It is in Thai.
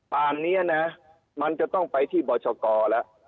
ตอนเนี่ยนะมันจะต้องไปที่บชกแล้ว